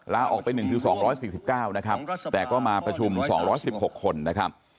ล้าออกเป็นหนึ่งคือ๒๖๙นะครับแต่ก็มาประชุม๒๑๖คนนะครับ